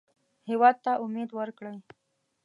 هېواد ته امید ورکړئ